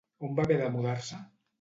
On va haver de mudar-se?